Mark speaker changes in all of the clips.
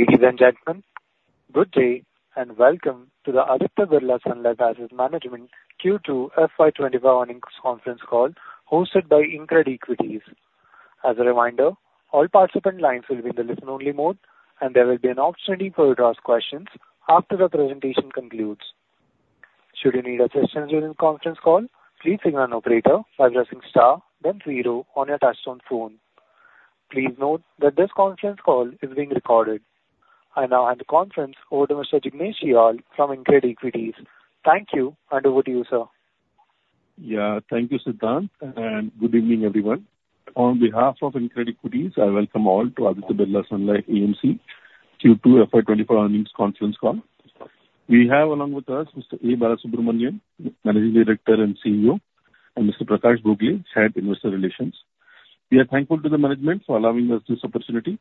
Speaker 1: Ladies and gentlemen, good day, and welcome to the Aditya Birla Sun Life Asset Management Q2 FY 2025 earnings conference call hosted by Incred Equities. As a reminder, all participant lines will be in the listen-only mode, and there will be an opportunity for you to ask questions after the presentation concludes. Should you need assistance during the conference call, please signal an operator by pressing star then zero on your touchtone phone. Please note that this conference call is being recorded. I now hand the conference over to Mr. Jignesh Shial from Incred Equities. Thank you, and over to you, sir.
Speaker 2: Yeah. Thank you, Siddhant, and good evening, everyone. On behalf of Incred Equities, I welcome all to Aditya Birla Sun Life AMC Q2 FY 2024 earnings conference call. We have along with us Mr. A. Balasubramanian, Managing Director and CEO, and Mr. Prakash Bhogale, Head, Investor Relations. We are thankful to the management for allowing us this opportunity.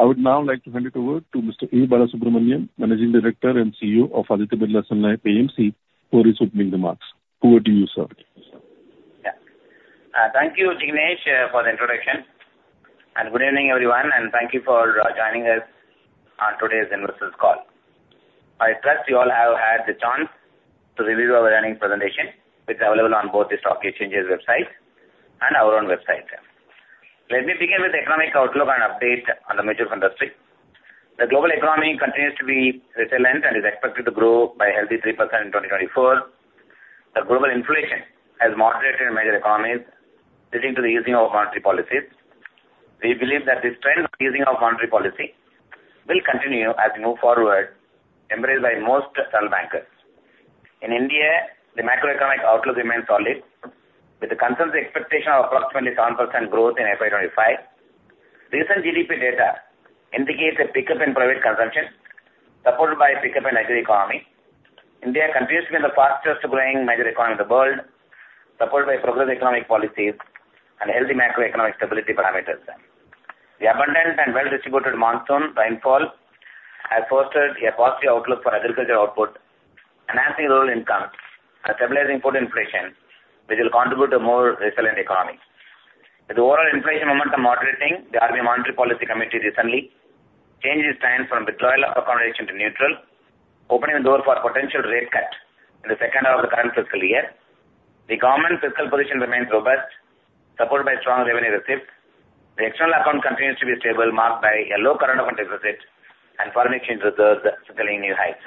Speaker 2: I would now like to hand it over to Mr. A. Balasubramanian, Managing Director and CEO of Aditya Birla Sun Life AMC, who is opening remarks. Over to you, sir.
Speaker 3: Yeah. Thank you, Jignesh, for the introduction, and good evening, everyone, and thank you for joining us on today's investors call. I trust you all have had the chance to review our earnings presentation, which is available on both the stock exchange's website and our own website. Let me begin with the economic outlook and update on the mutual fund industry. The global economy continues to be resilient and is expected to grow by a healthy 3% in 2024. The global inflation has moderated in major economies, leading to the easing of monetary policies. We believe that this trend of easing of monetary policy will continue as we move forward, embraced by most central bankers. In India, the macroeconomic outlook remains solid, with a consensus expectation of approximately 7% growth in FY 2025. Recent GDP data indicates a pickup in private consumption, supported by a pickup in agriculture economy. India continues to be the fastest growing major economy in the world, supported by progressive economic policies and healthy macroeconomic stability parameters. The abundant and well-distributed monsoon rainfall has fostered a positive outlook for agriculture output, enhancing rural income and stabilizing food inflation, which will contribute to a more resilient economy. With the overall inflation momentum moderating, the RBI Monetary Policy Committee recently changed its stance from withdrawal of accommodation to neutral, opening the door for potential rate cut in the second half of the current fiscal year. The government fiscal position remains robust, supported by strong revenue receipts. The external account continues to be stable, marked by a low current account deficit and foreign exchange reserves scaling new highs.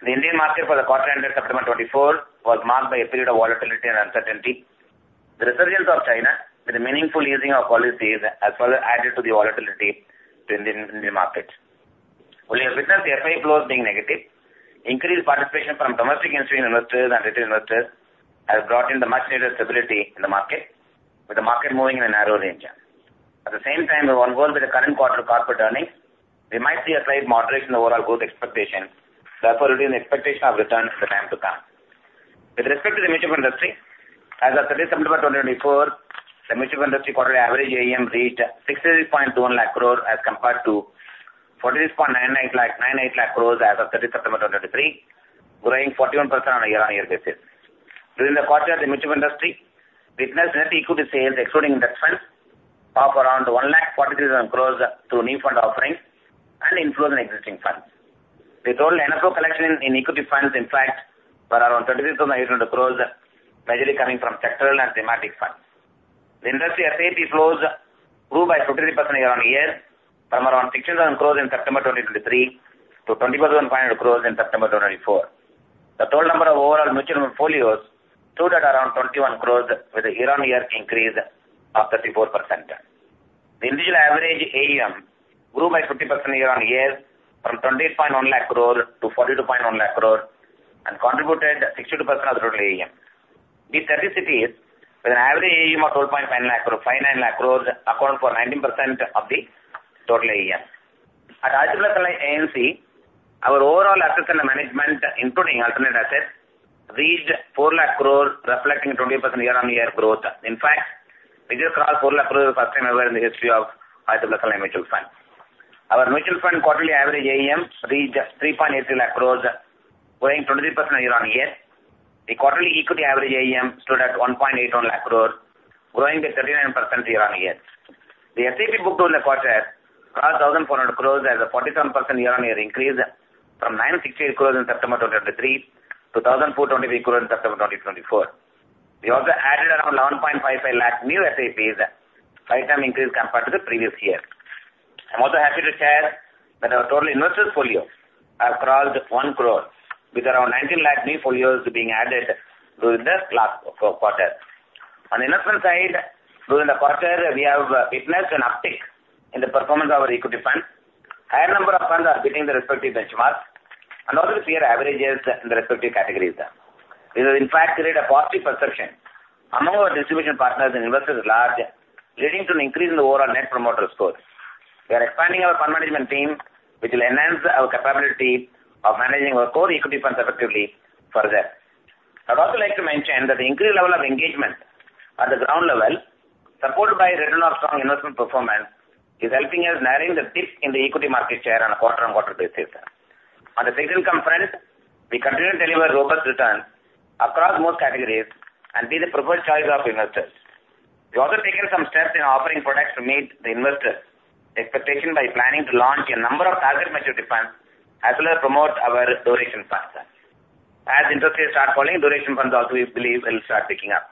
Speaker 3: The Indian market for the quarter ended September 2024 was marked by a period of volatility and uncertainty. The resurgence of China with a meaningful easing of policies has further added to the volatility in the Indian market. While we have witnessed the FII flows being negative, increased participation from domestic institutional investors and retail investors has brought in the much-needed stability in the market, with the market moving in a narrow range. At the same time, we are on board with the current quarter corporate earnings. We might see a slight moderation in the overall growth expectation, therefore leading the expectation of returns in the time to come. With respect to the mutual fund industry, as of 30 September 2024, the mutual fund industry quarterly average AUM reached 60.1 lakh crore as compared to 46.98 lakh crores as of 30 September 2023, growing 41% on a year-on-year basis. During the quarter, the mutual fund industry witnessed net equity sales, excluding index funds, of around 1 lakh 43 thousand crores through new fund offerings and inflows in existing funds. The total NFO collection in equity funds, in fact, were around 36 thousand 800 crores, majorly coming from sectoral and thematic funds. The industry SIP flows grew by 50% year-on-year from around 16 thousand crores in September 2023 to 24 thousand 500 crores in September 2024. The total number of overall mutual portfolios stood at around 21 crores, with a year-on-year increase of 34%. The individual average AUM grew by 50% year-on-year from 20.1 lakh crore to 42.1 lakh crore and contributed 62% of the total AUM. B30 cities, with an average AUM of 12.59 lakh crore, accounted for 19% of the total AUM. At Aditya Birla AMC, our overall assets under management, including alternate assets, reached 4 lakh crore, reflecting 20% year-on-year growth. In fact, we just crossed 4 lakh crore the first time ever in the history of Aditya Birla Mutual Fund. Our mutual fund quarterly average AUM reached 3.83 lakh crores, growing 23% year-on-year. The quarterly equity average AUM stood at 1.81 lakh crore, growing at 39% year-on-year. The SIP book during the quarter crossed 1,400 crores, a 47% year-on-year increase from 960 crores in September 2023 to 1,423 crores in September 2024. We also added around 1.55 lakh new SIPs, five times increase compared to the previous year. I'm also happy to share that our total investor folio has crossed 1 crore, with around 19 lakh new folios being added during the last quarter. On the investment side, during the quarter, we have witnessed an uptick in the performance of our equity fund. Higher number of funds are beating the respective benchmark and also peer averages in the respective categories. This has, in fact, created a positive perception among our distribution partners and investors at large, leading to an increase in the overall net promoter score. We are expanding our fund management team, which will enhance our capability of managing our core equity funds effectively further. I'd also like to mention that the increased level of engagement at the ground level, supported by the return of strong investment performance, is helping us narrowing the dip in the equity market share on a quarter-on-quarter basis. On the fixed income front, we continue to deliver robust returns across most categories and be the preferred choice of investors. We've also taken some steps in offering products to meet the investors' expectation by planning to launch a number of target maturity funds, as well as promote our duration funds. As interest rates start falling, duration funds also, we believe, will start picking up.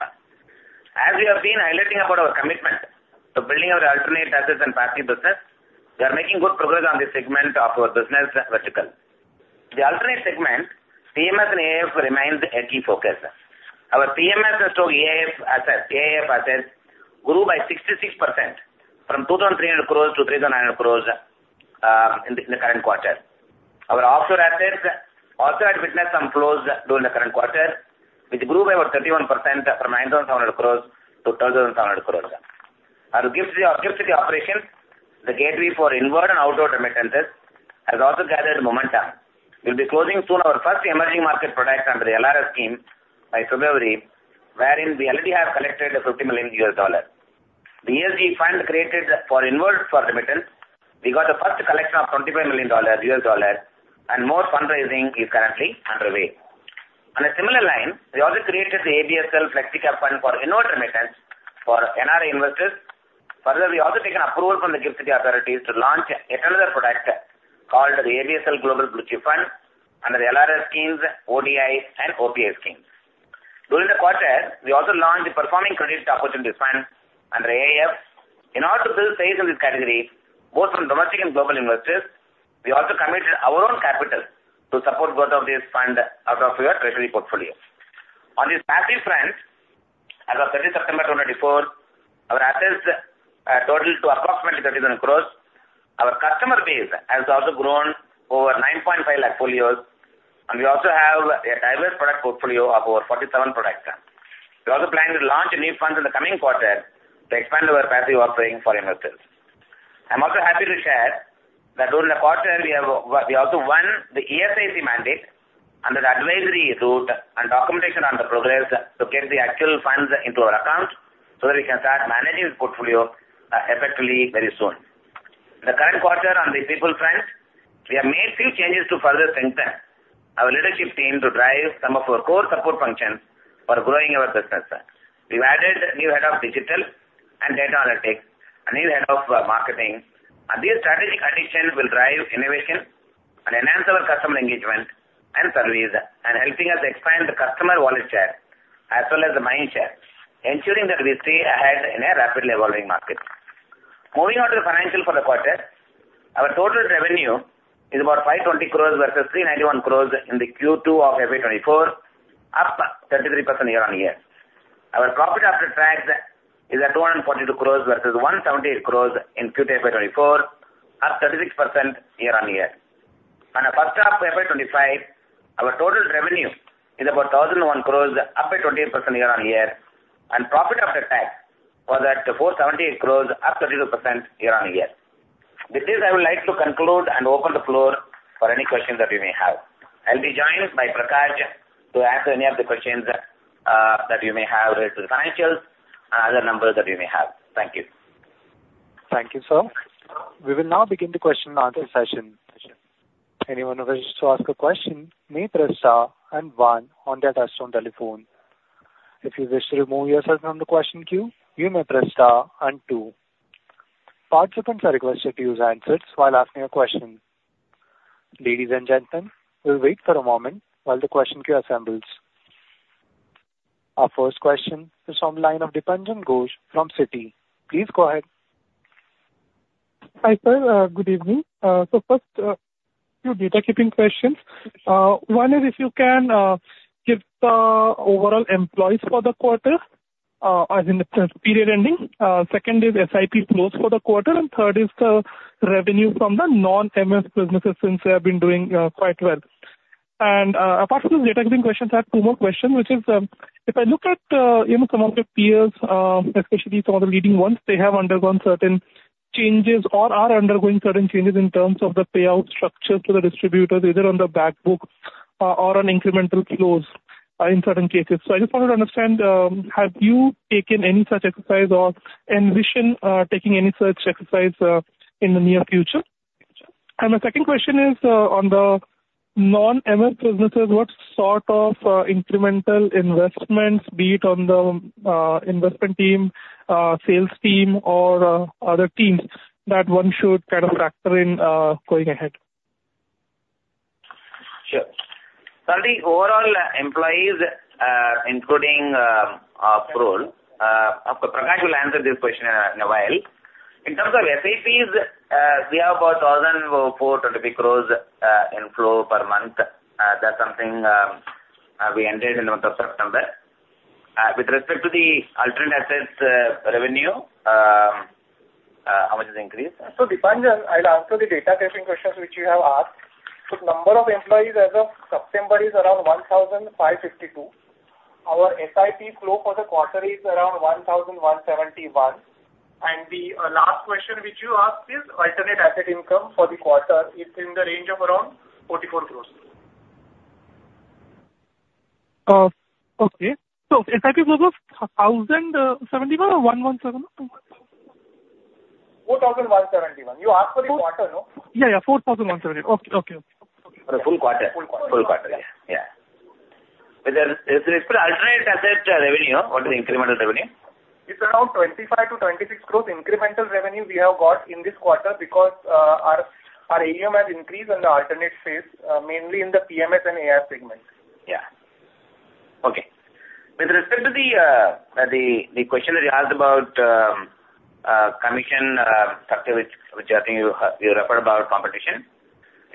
Speaker 3: As we have been highlighting about our commitment to building our alternate assets and passive business, we are making good progress on this segment of our business vertical. The alternate segment, PMS and AIF, remains a key focus. Our PMS and AIF assets grew by 66% from 2,300 crores to 3,900 crores in the current quarter. Our offshore assets also had witnessed some flows during the current quarter, which grew by about 31% from 9,700 crores to 12,700 crores. Our GIFT City operations, the gateway for inward and outward remittances, has also gathered momentum. We'll be closing soon our first emerging market product under the LRS scheme by February, wherein we already have collected $50 million. The ESG fund created for inward remittance, we got the first collection of $25 million, U.S. dollar, and more fundraising is currently underway. On a similar line, we also created the ABSL Flexi Cap Fund for inward remittance for NRI investors. Further, we also taken off-roll from the GIFT City authorities to launch yet another product called the ABSL Global Blue Chip Fund under the LRS schemes, ODI and OPI schemes. During the quarter, we also launched the Performing Credit Opportunity Fund under AIF. In order to build size in this category, both from domestic and global investors, we also committed our own capital to support both of these fund out of our treasury portfolio. On the passive front, as of 30 September 2024, our assets total to approximately 31 crores. Our customer base has also grown over 9.5 lakh folios, and we also have a diverse product portfolio of over 47 products. We're also planning to launch a new fund in the coming quarter to expand our passive offering for investors. I'm also happy to share that during the quarter, we have, we also won the ESIC mandate under the advisory route and documentation on the progress to get the actual funds into our account so that we can start managing this portfolio effectively very soon. In the current quarter on the people front, we have made few changes to further strengthen our leadership team to drive some of our core support functions for growing our business. We've added a new head of digital and data analytics, a new head of marketing. These strategic additions will drive innovation and enhance our customer engagement and service, and helping us expand the customer wallet share, as well as the mind share, ensuring that we stay ahead in a rapidly evolving market. Moving on to the financial for the quarter. Our total revenue is about 520 crores versus 391 crores in the Q2 of FY 2024, up 33% year-on-year. Our profit after tax is at 242 crores versus 178 crores in Q2 FY 2024, up 36% year-on-year. On the first half FY 2025, our total revenue is about 1,001 crores, up by 28% year-on-year, and profit after tax was at 478 crores, up 32% year-on year. With this, I would like to conclude and open the floor for any questions that you may have. I'll be joined by Prakash to answer any of the questions, that you may have related to the financials and other numbers that you may have. Thank you.
Speaker 1: Thank you, sir. We will now begin the question and answer session. Anyone who wishes to ask a question may press star and one on their touchtone telephone. If you wish to remove yourself from the question queue, you may press star and two. Participants are requested to use handsets while asking a question. Ladies and gentlemen, we'll wait for a moment while the question queue assembles. Our first question is from the line of Dipanjan Ghosh from Citi. Please go ahead.
Speaker 4: Hi, sir. Good evening. So first, two data keeping questions. One is if you can give the overall employees for the quarter, as in the period ending. Second is SIP flows for the quarter, and third is the revenue from the non-MS businesses since they have been doing quite well. And, apart from the data keeping questions, I have two more questions, which is, if I look at, you know, some of the peers, especially some of the leading ones, they have undergone certain changes or are undergoing certain changes in terms of the payout structure to the distributors, either on the back book or on incremental flows, in certain cases. So I just wanted to understand, have you taken any such exercise or envision taking any such exercise, in the near future? And my second question is, on the non-MS businesses, what sort of incremental investments, be it on the investment team, sales team or other teams, that one should kind of factor in, going ahead?
Speaker 3: Sure, so the overall employees, including our approval, Prakash will answer this question in a while. In terms of SIPs, we have about 1,425 crores inflow per month. That's something we ended in the month of September. With respect to the alternate assets, revenue, how much is the increase?
Speaker 5: Dipanjan, I'll answer the data keeping questions which you have asked. Number of employees as of September is around 1,552. Our SIP flow for the quarter is around 1,171. The last question, which you asked, is alternate asset income for the quarter is in the range of around 44 crores.
Speaker 4: Okay. So SIP is close to a thousand seventy-one or one one seven?...
Speaker 5: four thousand one seventy-one. You asked for the quarter, no?
Speaker 4: Yeah, yeah, four thousand one seventy. Okay, okay.
Speaker 3: For the full quarter.
Speaker 5: Full quarter.
Speaker 3: Full quarter, yeah. Yeah. With respect to alternate asset revenue or the incremental revenue?
Speaker 5: It's around 25-26 crores incremental revenue we have got in this quarter because our AUM has increased on the alternate space, mainly in the PMS and AIF segment.
Speaker 3: Yeah. Okay. With respect to the question that you asked about commission structure, which I think you referred about competition.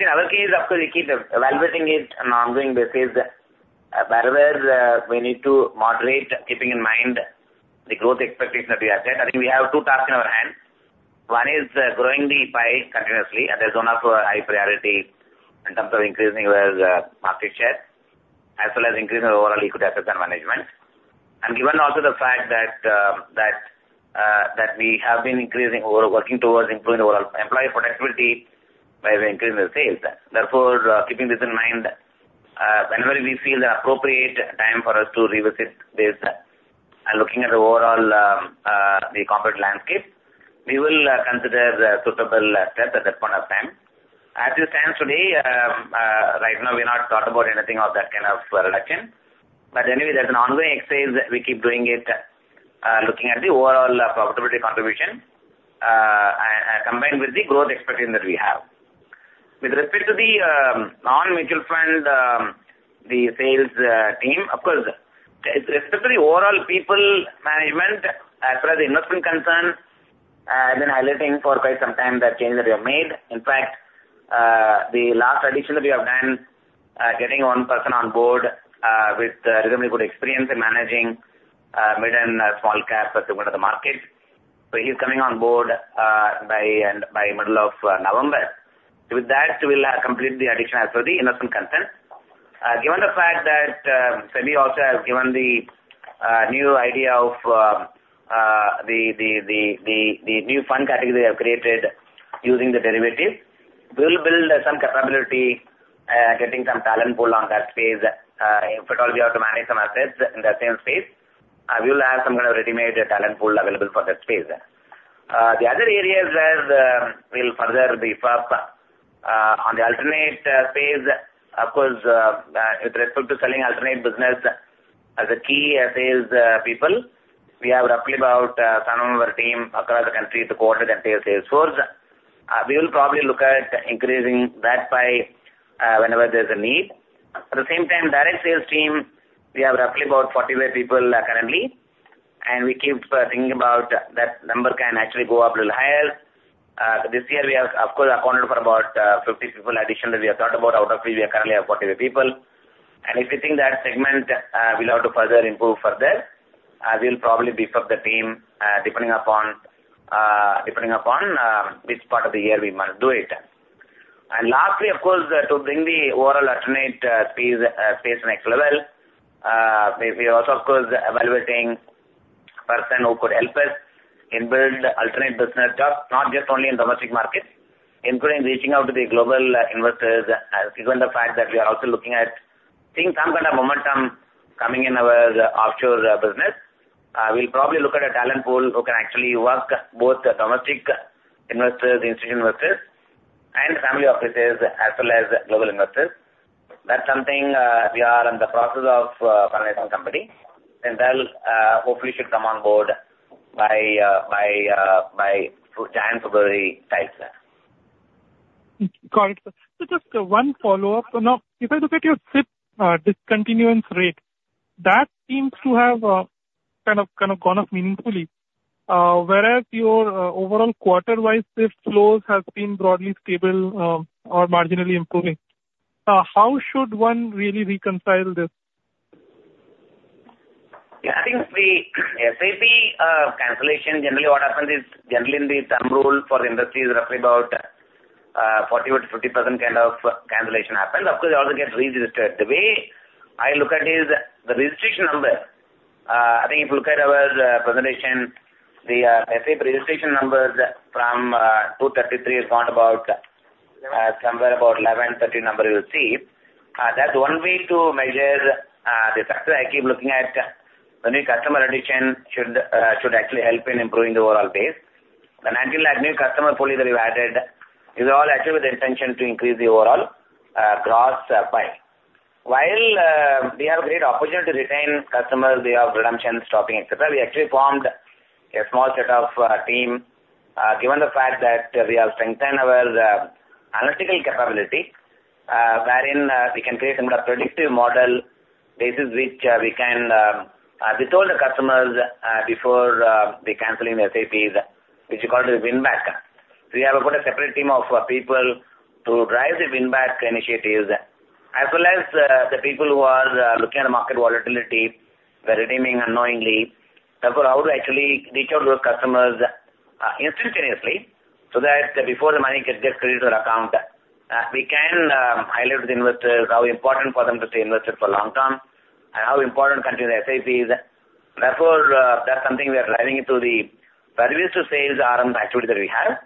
Speaker 3: In our case, of course, we keep evaluating it on an ongoing basis. Wherever we need to moderate, keeping in mind the growth expectation that we have set. I think we have two tasks in our hands. One is growing the pie continuously, and that's one of our high priority in terms of increasing our market share, as well as increasing our overall liquid assets and management. And given also the fact that we have been increasing or working towards improving our employee productivity by increasing the sales. Therefore, keeping this in mind, whenever we feel the appropriate time for us to revisit this, and looking at the overall, the competitive landscape, we will consider the suitable step at that point of time. As it stands today, right now, we've not thought about anything of that kind of reduction. But anyway, there's an ongoing exercise that we keep doing it, looking at the overall profitability contribution, and combined with the growth expectation that we have. With respect to the non-mutual fund sales team, of course, with respect to the overall people management, as well as the investment team, been highlighting for quite some time the changes that we have made. In fact, the last addition that we have done, getting one person on board, with reasonably good experience in managing, mid and small cap segment of the market. So he's coming on board, by end, by middle of November. So with that, we will complete the addition as per the investment concern. Given the fact that, SEBI also has given the, new idea of, the new fund category we have created using the derivative, we will build some capability, getting some talent pool on that space. If at all we have to manage some assets in that same space, we will have some kind of readymade talent pool available for that space. The other areas where we'll further beef up on the alternative space, of course, with respect to selling alternative business as a key sales people, we have roughly about some of our team across the country, the core country sales force. We will probably look at increasing that by whenever there's a need. At the same time, direct sales team, we have roughly about 45 people currently, and we keep thinking about that number can actually go up little higher. This year, we have, of course, accounted for about 50 people addition that we have thought about, out of which we currently have 45 people. And if you think that segment will have to further improve, we'll probably beef up the team, depending upon which part of the year we might do it. And lastly, of course, to bring the overall alternate space next level, we also, of course, evaluating person who could help us in build alternate business jobs, not just only in domestic markets, including reaching out to the global investors. Given the fact that we are also looking at seeing some kind of momentum coming in our offshore business, we'll probably look at a talent pool who can actually work both domestic investors, institutional investors, and family offices, as well as global investors. That's something we are in the process of finding some company, and they'll hopefully should come on board by January, February types.
Speaker 4: Got it, sir. So just, one follow-up. So now, if I look at your SIP, discontinuance rate, that seems to have, kind of gone up meaningfully, whereas your, overall quarter-wise, this flows has been broadly stable, or marginally improving. How should one really reconcile this?
Speaker 3: Yeah, I think the SIP cancellation, generally what happens is, generally in the thumb rule for the industry is roughly about 40%-50% kind of cancellation happens. Of course, it also gets re-registered. The way I look at it is the registration number. I think if you look at our presentation, the SIP registration numbers from 233 has gone about somewhere about 1,113 number you'll see. That's one way to measure the factor I keep looking at. The new customer addition should actually help in improving the overall base. The 19 lakh new customer folios that we've added is all actually with the intention to increase the overall growth pipe. While we have a great opportunity to retain customers, we have redemption stopping, et cetera. We actually formed a small set of team, given the fact that we have strengthened our analytical capability, wherein we can create some kind of predictive model, basis which we can tell the customers before they canceling the SIPs, which is called the win back. So we have got a separate team of people to drive the win back initiatives, as well as the people who are looking at the market volatility, they're redeeming unknowingly. Therefore, how to actually reach out to those customers instantaneously, so that before the money gets credited to their account, we can highlight to the investors how important for them to stay invested for long term, and how important to continue the SIPs. Therefore, that's something we are driving into the pre-sales RM activity that we have,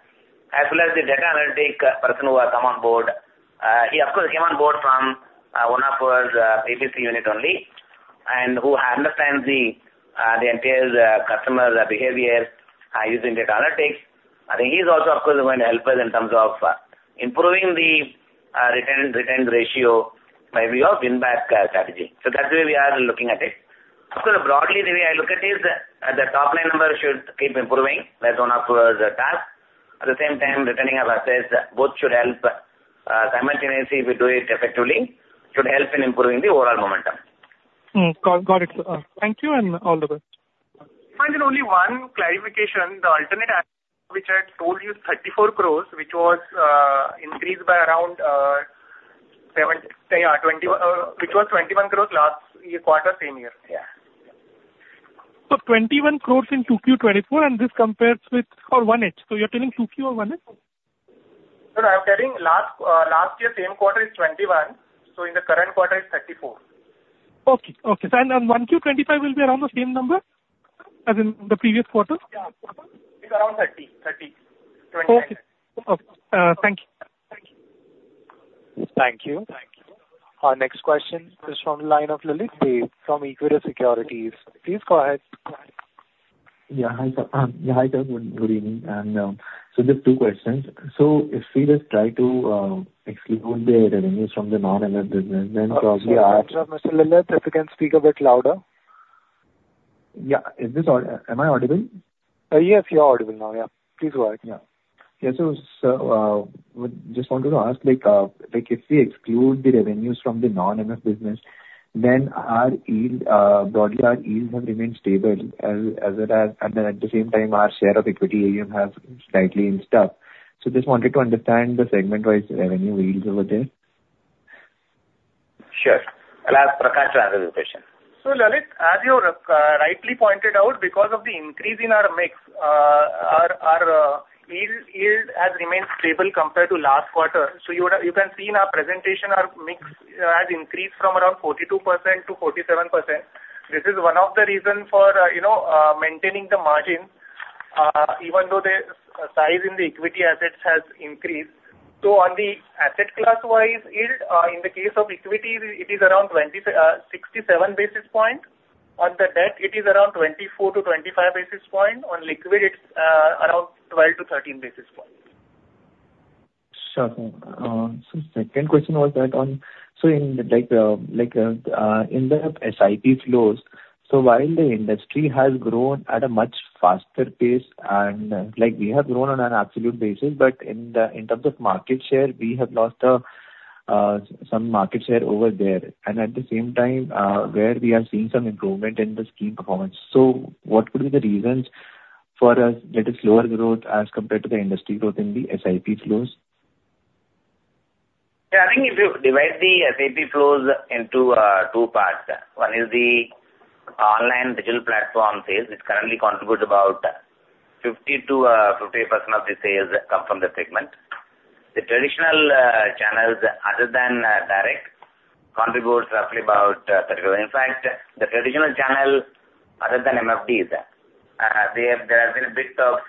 Speaker 3: as well as the data analytics person who has come on board. He of course came on board from one of our ABSL unit only and who understands the entire customer behavior using data analytics. I think he's also, of course, going to help us in terms of improving the return ratio by way of win back strategy. So that's the way we are looking at it. Of course, broadly, the way I look at it is the top line number should keep improving. That's one of the task. At the same time, retaining our assets, both should help simultaneously, if we do it effectively, should help in improving the overall momentum.
Speaker 4: Got it. Thank you and all the best.
Speaker 3: Then only one clarification. The alternate, which I told you, 34 crores, which was increased by around 13, which was 21 crores last year quarter, same year. Yeah.
Speaker 4: 21 crores in 2Q24, and this compares with 1H? You're telling 2Q or 1H?
Speaker 3: Sir, I'm telling last year, same quarter is 21, so in the current quarter, it's 34.
Speaker 4: Okay. So and one Q, twenty-five will be around the same number as in the previous quarter?
Speaker 3: Yeah. It's around thirty, thirty, twenty-nine.
Speaker 4: Okay. Thank you.
Speaker 1: Thank you. Our next question is from the line of Lalit from Equitas Securities. Please go ahead. Yeah, hi, sir. Yeah, hi, sir. Good evening, and so just two questions. So if we just try to exclude the revenues from the non-MF business, then- Yeah, Mr. Lalit, if you can speak a bit louder. Yeah. Am I audible? Yes, you're audible now. Yeah, please go ahead. Yeah. Yeah, so, so, just wanted to ask, like, like, if we exclude the revenues from the non-MF business, then our yield, broadly, our yields have remained stable as, as it has, and then at the same time, our share of equity AUM has slightly stuck. So just wanted to understand the segment-wise revenue yields over there.
Speaker 3: Sure. I'll ask Prakash to answer this question.
Speaker 5: So, Lalit, as you rightly pointed out, because of the increase in our mix, our yield has remained stable compared to last quarter. So you would have you can see in our presentation, our mix has increased from around 42% - 47%. This is one of the reason for you know maintaining the margin even though the size in the equity assets has increased. So on the asset class-wise yield, in the case of equity, it is around 26.67 basis points. On the debt, it is around 24 to 25 basis points. On liquid, it's around 12 to 13 basis points. Sure. So second question was that on, so in, like, like, in the SIP flows, so while the industry has grown at a much faster pace, and, like, we have grown on an absolute basis, but in terms of market share, we have lost some market share over there, and at the same time, where we are seeing some improvement in the scheme performance. So what could be the reasons for a little slower growth as compared to the industry growth in the SIP flows?
Speaker 3: Yeah, I think if you divide the SIP flows into two parts, one is the online digital platform sales, which currently contribute about 50-50% of the sales come from the segment. The traditional channels other than direct contributes roughly about 30. In fact, the traditional channel, other than MFDs, there has been a bit of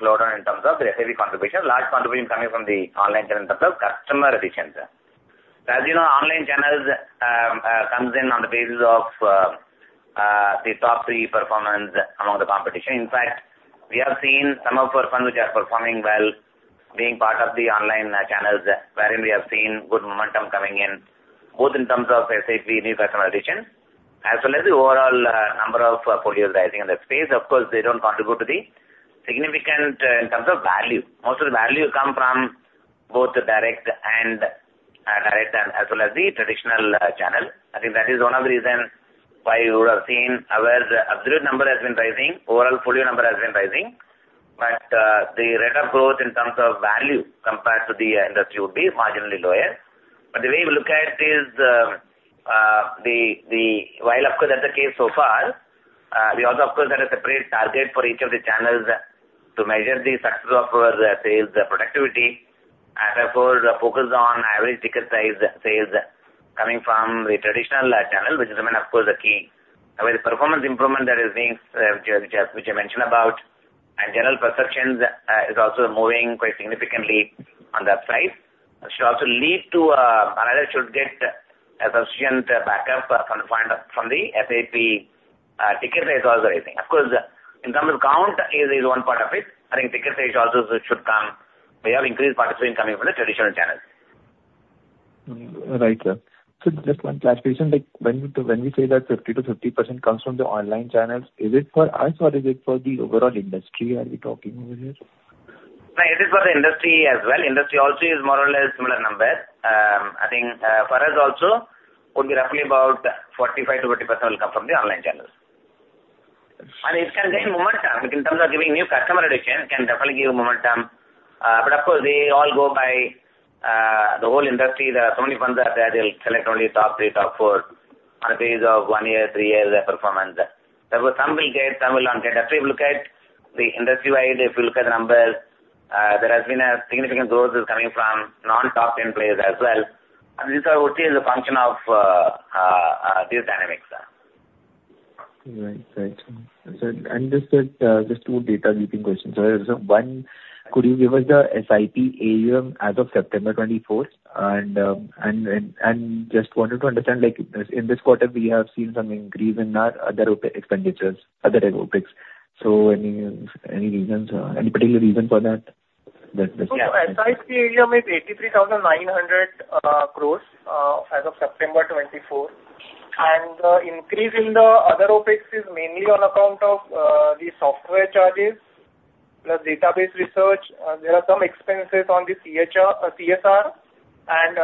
Speaker 3: slowdown in terms of the SIP contribution. Large contribution coming from the online channel in terms of customer additions. As you know, online channels comes in on the basis of the top three performance among the competition. In fact, we have seen some of our funds which are performing well, being part of the online channels, wherein we have seen good momentum coming in, both in terms of SIP, new customer addition, as well as the overall number of portfolios rising in the space. Of course, they don't contribute to the significant in terms of value. Most of the value come from both the direct and as well as the traditional channel. I think that is one of the reasons why you would have seen our absolute number has been rising, overall portfolio number has been rising. But the rate of growth in terms of value compared to the industry would be marginally lower. But the way we look at it is, the... While, of course, that's the case so far, we also, of course, have a separate target for each of the channels to measure the success of our sales productivity, and therefore, focus on average ticket size sales coming from the traditional channel, which remains, of course, the key. However, the performance improvement that is being, which I mentioned about, and general perceptions is also moving quite significantly on that side. It should also lead to another should get a sufficient backup from the point of, from the SIP ticket size also raising. Of course, in terms of count, it is one part of it. I think ticket size also should come. We have increased participation coming from the traditional channels. Right, sir. So just one clarification, like, when we, when we say that 50%-50% comes from the online channels, is it for us or is it for the overall industry? Are we talking over here? No, it is for the industry as well. Industry also is more or less similar number. I think, for us also, would be roughly about 45-50% will come from the online channels, and it can gain momentum, like, in terms of giving new customer addition, it can definitely give momentum, but of course, we all go by the whole industry. There are so many funds out there, they'll select only top three, top four on a basis of one year, three years performance. Therefore, some will get, some will not get. If you look at the industry-wide, if you look at the numbers, there has been a significant growth is coming from non-top 10 players as well, and this would be as a function of these dynamics.... Right, right. So, and just, just two data-driven questions. So one, could you give us the SIP AUM as of September twenty-fourth? And just wanted to understand, like, in this quarter, we have seen some increase in our other OpEx expenditures, other OpEx. So any reasons, any particular reason for that? That, that- SIP AUM is 83,900 crores as of September 24. The increase in the other OpEx is mainly on account of the software charges, plus database research. There are some expenses on the CSR, and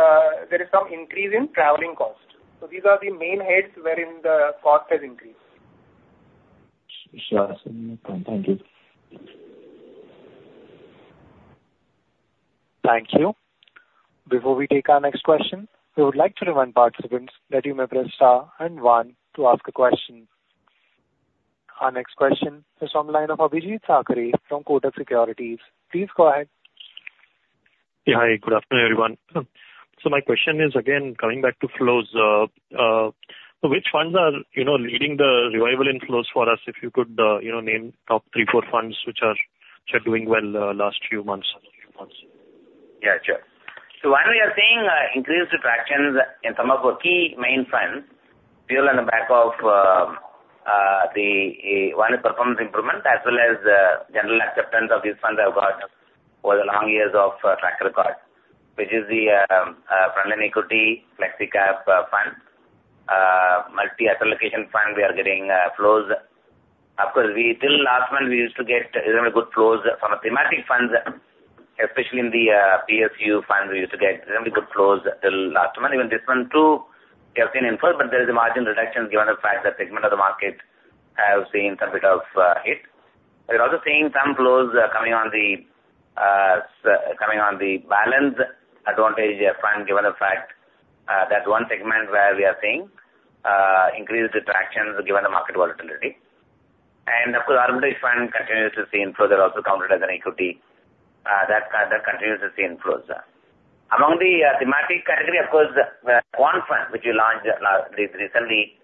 Speaker 3: there is some increase in traveling costs. These are the main heads wherein the cost has increased. Sure. Thank you.
Speaker 1: Thank you. Before we take our next question, we would like to remind participants that you may press star and one to ask a question. Our next question is from the line of Abhijeet Sakhare from Kotak Securities. Please go ahead.
Speaker 6: Yeah, hi, good afternoon, everyone. So my question is, again, coming back to flows, so which funds are, you know, leading the revival in flows for us, if you could, you know, name top three, four funds which are doing well, last few months?
Speaker 3: Yeah, sure. So while we are seeing increased attractions in some of our key main funds, built on the back of the one is performance improvement, as well as general acceptance of these funds have got over the long years of track record, which is the Frontline Equity, Flexi Cap Fund, Multi-Asset Allocation Fund, we are getting flows. Of course, we, till last month, we used to get extremely good flows from thematic funds, especially in the PSU fund, we used to get extremely good flows till last month. Even this month, too, we have seen inflows, but there is a margin reduction given the fact that segment of the market have seen some bit of hit. We're also seeing some flows coming on the Balanced Advantage Fund, given the fact that one segment where we are seeing increased attractions given the market volatility. And of course, Arbitrage Fund continues to see inflows. They're also counted as an equity that continues to see inflows. Among the thematic category, of course, the Quant Fund, which we launched recently,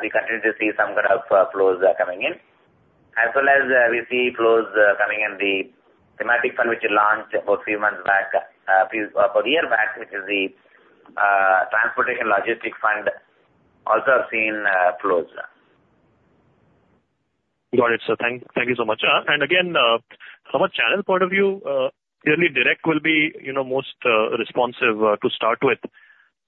Speaker 3: we continue to see some kind of flows coming in. As well as we see flows coming in the thematic fund which we launched about three months back, three or four years back, which is the Transportation Logistics Fund, also have seen flows.
Speaker 6: Got it, sir. Thank you so much and again, from a channel point of view, clearly direct will be, you know, most responsive to start with.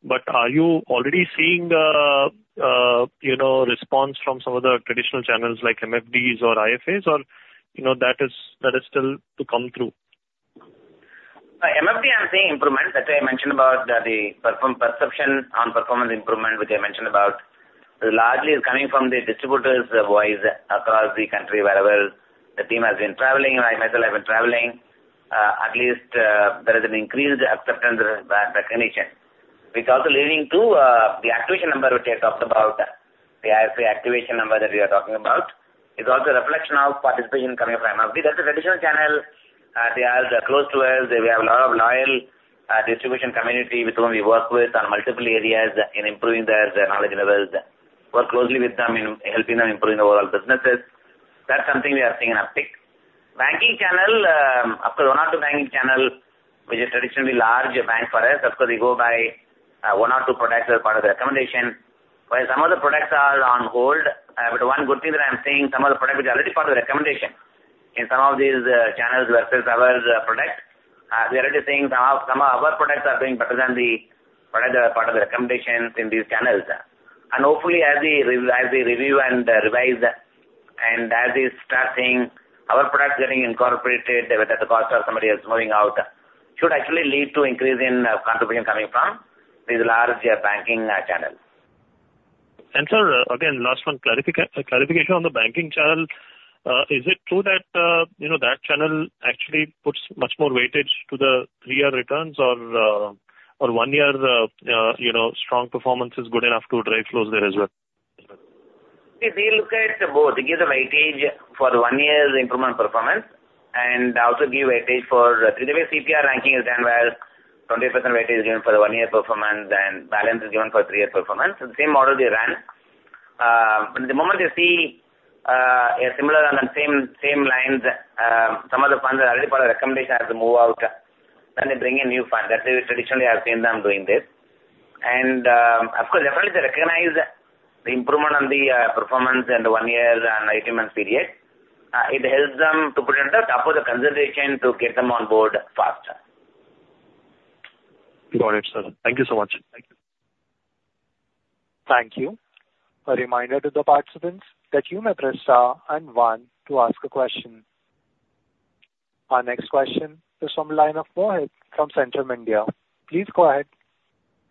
Speaker 6: But are you already seeing, you know, response from some of the traditional channels like MFDs or IFAs, or you know, that is still to come through?
Speaker 3: MFD, I'm seeing improvements that I mentioned about the performance perception on performance improvement, which I mentioned about. Largely, it's coming from the distributors' voice across the country, wherever the team has been traveling, and myself, I've been traveling. At least, there is an increased acceptance by the clientele. Which is also leading to the activation number, which I talked about. The AIF activation number that we are talking about is also a reflection of participation coming from MFD. That's a traditional channel. They are close to us. We have a lot of loyal distribution community with whom we work with on multiple areas in improving their knowledge levels, work closely with them in helping them improving the overall businesses. That's something we are seeing in our pick. Banking channel, of course, one or two banking channel, which is traditionally large bank for us, of course, they go by one or two products as part of the recommendation, while some of the products are on hold. But one good thing that I'm seeing, some of the products which are already part of the recommendation in some of these channels versus our product, we are already seeing some of our products are doing better than the products that are part of the recommendations in these channels. And hopefully, as we review and revise, and as we start seeing our products getting incorporated whether at the cost of somebody else moving out, should actually lead to increase in contribution coming from these large banking channels.
Speaker 6: Sir, again, last one, clarification on the banking channel. Is it true that, you know, that channel actually puts much more weightage to the three-year returns or, or one year, you know, strong performance is good enough to drive flows there as well?
Speaker 3: Yes, we look at both. It gives a weightage for one year's improvement performance and also give weightage for... The way CPR ranking is done, where 20% weightage is given for the one-year performance and balance is given for three-year performance. So the same model we ran. But the moment they see a similar on the same lines, some of the funds are already part of the recommendation as they move out, then they bring in new fund. That's traditionally I've seen them doing this. And, of course, definitely they recognize the improvement on the performance in the one year and 18-month period. It helps them to put under top of the consideration to get them on board faster.
Speaker 6: Got it, sir. Thank you so much. Thank you.
Speaker 1: Thank you. A reminder to the participants that you may press star and one to ask a question. Our next question is from the line of Mohit from Centrum India. Please go ahead.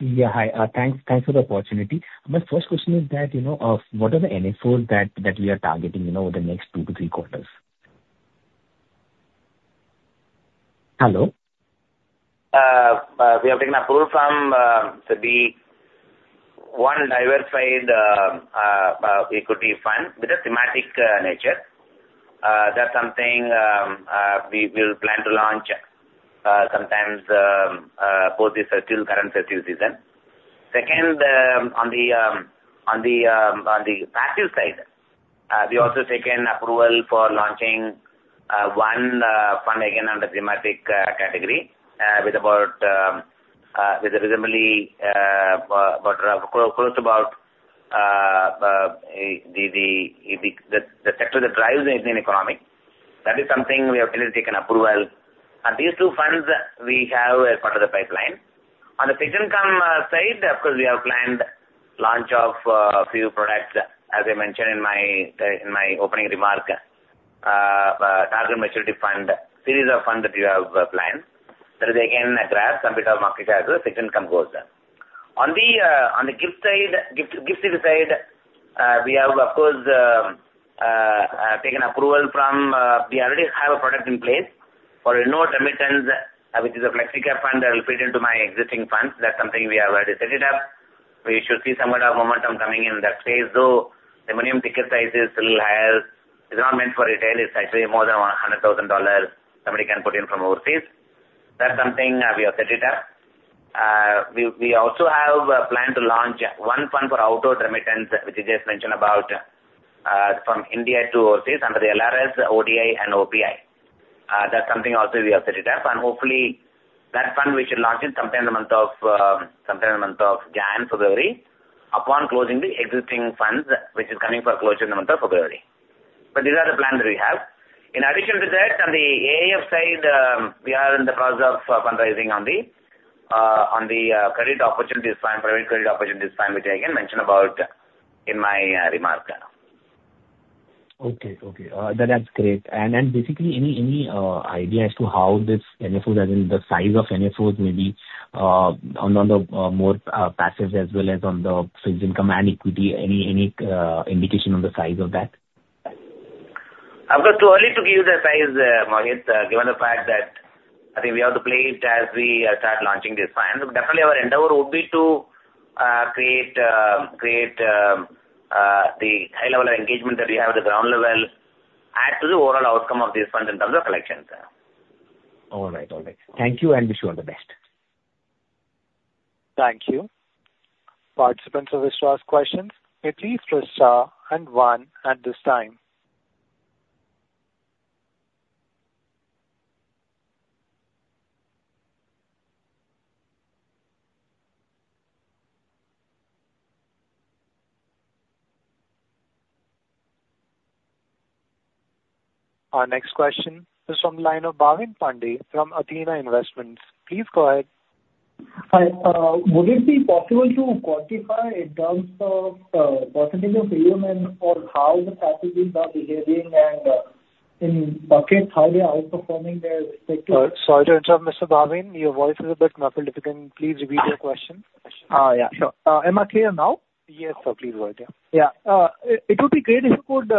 Speaker 1: Yeah, hi. Thanks for the opportunity. My first question is that, you know, what are the NFOs that we are targeting, you know, over the next two to three quarters? Hello?
Speaker 3: We are taking approval from, so the one diversified equity fund with a thematic nature. That's something we will plan to launch sometimes post this fiscal, current fiscal season. Second, on the passive side, we also taken approval for launching one fund again under thematic category with reasonably close to the sector that drives the Indian economy. That is something we have really taken approval, and these two funds we have part of the pipeline. On the fixed income side, of course, we have planned launch of few products, as I mentioned in my opening remark, target maturity fund, series of funds that we have planned. That is again, across the credit market as a fixed income core. On the GIFT side, we have, of course, taken approval from, we already have a product in place for inward remittance, which is a Flexi Cap Fund that will fit into my existing funds. That's something we have already set it up. We should see somewhat of momentum coming in that space, though the minimum ticket size is a little higher. It's not meant for retail, it's actually more than $100,000 somebody can put in from overseas. That's something, we have set it up. We also have a plan to launch one fund for outward remittance, which I just mentioned about, from India to overseas under the LRS, ODI and OPI. That's something also we have set it up, and hopefully, that fund we should launch sometime in the month of January, upon closing the existing funds, which is coming to close in the month of February. So these are the plans that we have. In addition to that, on the AIF side, we are in the process of fundraising for the Performing Credit Opportunity Fund, which I again mentioned about in my remark. Okay. That's great. And then, basically, any idea as to how this NFO, as in the size of NFOs may be, on the more passive as well as on the fixed income and equity, any indication on the size of that? Of course, too early to give you the size, Mohit, given the fact that, I think we have to play it as we start launching this fund. Definitely, our endeavor would be to create the high level of engagement that we have at the ground level, add to the overall outcome of these funds in terms of collections. All right. All right. Thank you, and wish you all the best.
Speaker 1: Thank you. Participants who wish to ask questions, may please press star and one at this time. Our next question is from the line of Bhavin Pande from Athena Investments. Please go ahead.
Speaker 7: Hi, would it be possible to quantify in terms of percentage of AUM and/or how the categories are behaving and in buckets how they are outperforming their respective-
Speaker 1: Sorry to interrupt, Mr. Bhavin. Your voice is a bit muffled. If you can please repeat your question.
Speaker 7: Yeah, sure. Am I clear now?
Speaker 1: Yes, sir. Please go ahead. Yeah.
Speaker 7: Yeah, it would be great if you could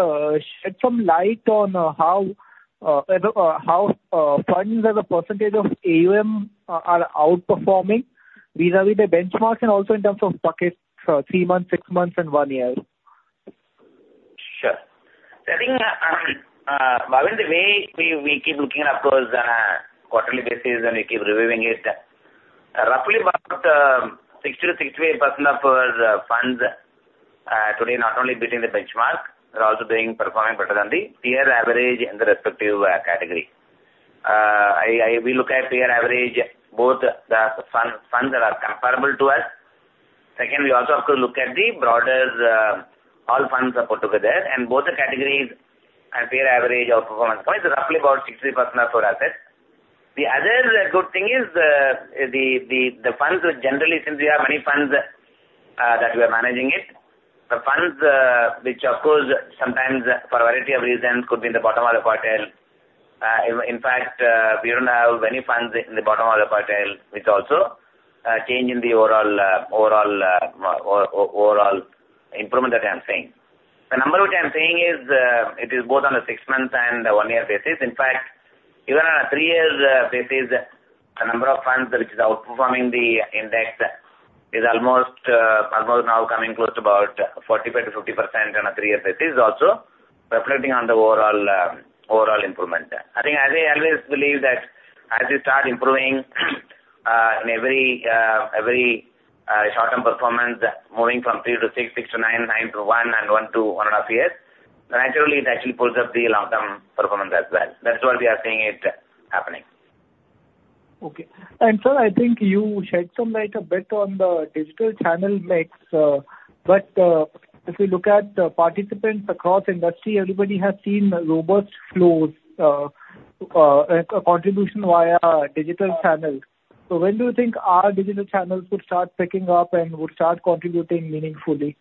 Speaker 7: shed some light on how funds as a percentage of AUM are outperforming vis-à-vis the benchmarks and also in terms of buckets, three months, six months, and one year.
Speaker 3: Sure. I think, Bhavin, the way we keep looking at our AUM on a quarterly basis, and we keep reviewing it. Roughly about 60%-68% of our funds today are not only beating the benchmark, they're also doing, performing better than the peer average in the respective category. We look at peer average, both the fund, funds that are comparable to us. Second, we also have to look at the broader, all funds are put together, and both the categories and peer average outperformance-wise, is roughly about 60% of total assets. The other good thing is, the funds with generally, since we have many funds, that we are managing it, the funds, which of course sometimes for a variety of reasons, could be in the bottom of the quartile. In fact, we don't have many funds in the bottom of the quartile, which also change in the overall overall improvement that I'm seeing. The number which I'm saying is it is both on the six months and one-year basis. In fact, even on a three years basis, the number of funds which is outperforming the index is almost almost now coming close to about 45%-50% on a three-year basis, also reflecting on the overall overall improvement. I think, as I always believe that as you start improving in every every short-term performance, moving from three to six, six to nine, nine to one, and one to one and a half years, naturally, it actually pulls up the long-term performance as well. That's what we are seeing it happening.
Speaker 7: Okay. And sir, I think you shed some light a bit on the digital channel mix, but, if you look at the participants across industry, everybody has seen robust flows, contribution via digital channels. So when do you think our digital channels would start picking up and would start contributing meaningfully?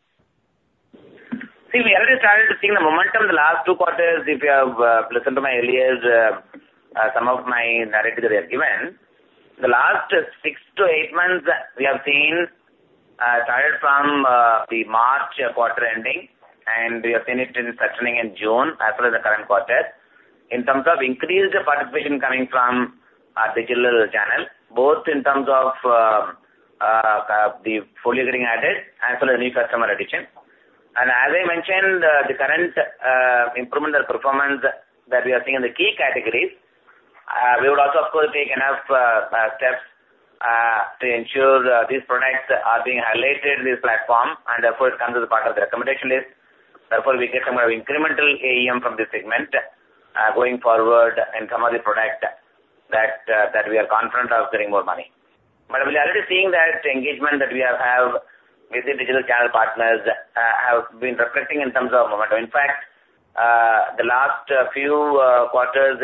Speaker 3: See, we already started seeing the momentum in the last two quarters. If you have listened to my earlier some of my narrative that I have given, the last six to eight months, we have seen started from the March quarter ending, and we have seen it in strengthening in June, as well as the current quarter, in terms of increased participation coming from our digital channel, both in terms of the portfolio getting added, as well as new customer addition, and as I mentioned, the current improvement or performance that we are seeing in the key categories, we would also, of course, take enough steps to ensure that these products are being highlighted in this platform, and therefore, it comes as a part of the recommendation list. Therefore, we get some incremental AUM from this segment, going forward, and some of the product that we are confident of getting more money. But we are already seeing that the engagement that we have with the digital channel partners have been reflecting in terms of momentum. In fact, the last few quarters,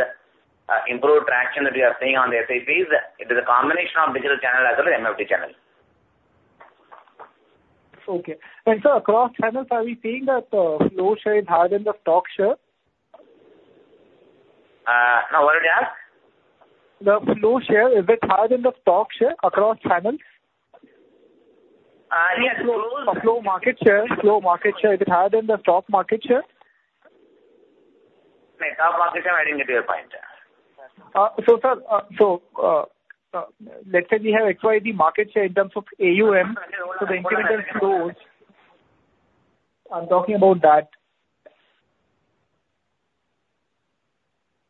Speaker 3: improved traction that we are seeing on the SIPs, it is a combination of digital channel as well as MFD channel.
Speaker 7: Okay. And so across channels, are we seeing that, flow share is higher than the stock share?
Speaker 3: Now what did you ask?
Speaker 7: The flow share, is it higher than the stock share across channels?
Speaker 3: Yes, flow-
Speaker 7: Flow market share, is it higher than the stock market share?
Speaker 3: No, stock market share, I didn't get your point.
Speaker 7: So, sir, so, let's say we have XYD market share in terms of AUM - so the incremental flows. I'm talking about that.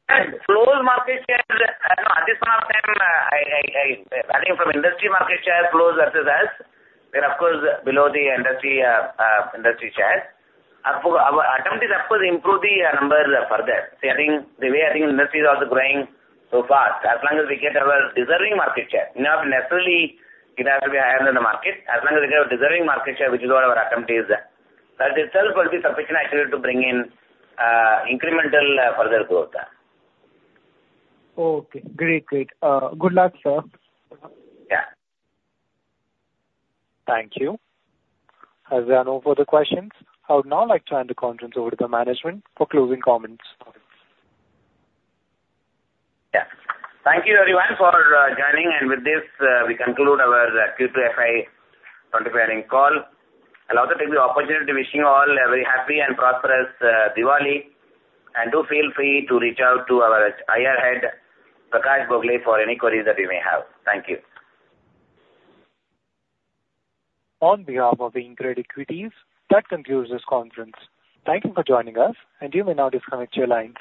Speaker 3: Yes. Flow market share, no, at this point of time, I think from industry market share flows versus us, we're of course below the industry industry share. Our attempt is, of course, to improve the number further. See, I think the way I think industry is also growing so fast, as long as we get our deserving market share, not necessarily it has to be higher than the market. As long as we get a deserving market share, which is what our attempt is, that itself will be sufficient actually to bring in incremental further growth.
Speaker 7: Okay. Great, great. Good luck, sir.
Speaker 3: Yeah.
Speaker 1: Thank you. As there are no further questions, I would now like to hand the conference over to the management for closing comments.
Speaker 3: Yeah. Thank you everyone for joining, and with this, we conclude our Q2 FY 2025 call. I'll also take the opportunity to wish you all a very happy and prosperous Diwali, and do feel free to reach out to our IR head, Prakash Bhogale, for any queries that you may have. Thank you.
Speaker 1: On behalf of the Incred Equities, that concludes this conference. Thank you for joining us, and you may now disconnect your lines.